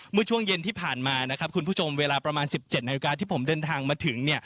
เมื่อช่วงเย็นที่ผ่านมานะครับคุณผู้ชมเวลาประมาณ๑๗นาฬิกาที่ผมเดินทางมาถึง